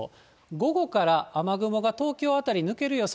午後から雨雲が東京辺り、抜ける予想。